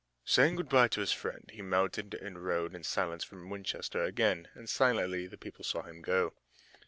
Saying good by to his friend he mounted and rode in silence from Winchester again, and silently the people saw him go.